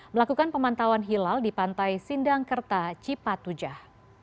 melakukan pemantauan hilal di pantai sindangkerta cipatujah